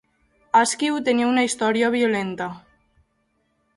Askew tenia una història violenta.